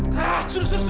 sudah sudah sudah